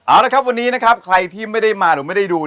เอาละครับวันนี้นะครับใครที่ไม่ได้มาหรือไม่ได้ดู